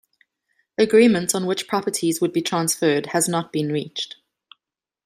Agreement on which properties would be transferred has not been reached.